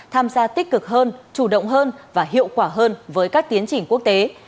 tham gia tích cực hơn chủ động hơn và hiệu quả hơn với các tiến chỉnh quốc tế